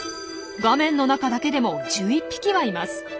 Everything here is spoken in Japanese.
画面の中だけでも１１匹はいます。